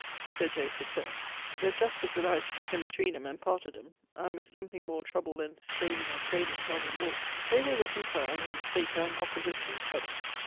Sir J. Fitz ale. The Justice and I struck in between 'em and parted 'em, and, with something more trouble then staving and tayling dog and bull, they were reconciled and sate down opposite to each other.